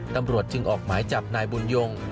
ตำรวจจึงออกหมายจับนายบุญยง